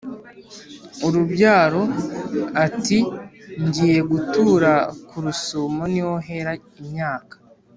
urubyaro ati"ngiye gutura ku rusumo niho hera imyaka